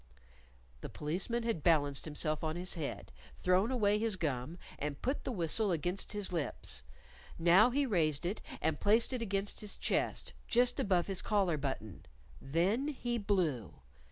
The Policeman had balanced himself on his head, thrown away his gum, and put the whistle against his lips. Now he raised it and placed it against his chest, just above his collar button. Then he blew.